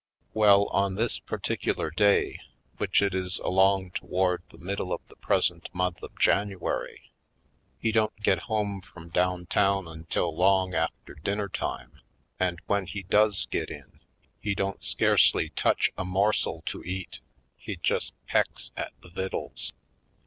Well, on this particular day, which it is along toward the middle of the present month of January, he don't get home from down town until long after dinner time and when he does get in he don't scarcely touch 174 /. PoindexteTj Colored a morsel to eat; he just pecks at the vittles.